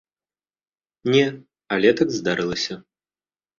Не, але так здарылася.